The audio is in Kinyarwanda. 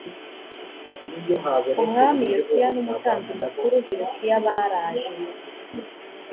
umwami yosiya n umutambyi mukuru hilukiya baraje